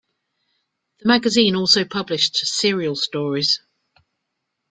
The magazine also published serial stories.